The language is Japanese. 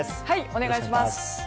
お願いします。